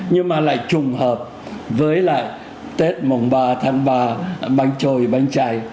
nhưng mà lại trùng hợp với lại tết mồng ba tháng ba bánh trồi bánh chay